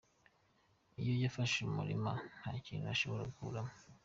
Iyo yafashe umurima nta kintu ushobora gukuramo.